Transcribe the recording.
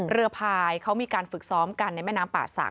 เรือพายเขามีการฝึกซ้อมกันในแม่น้ำป่าศักด